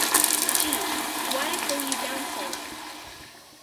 Geez, why'd I pull you down so low?